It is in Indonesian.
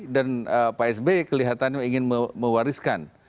dan pak sby kelihatannya ingin mewariskan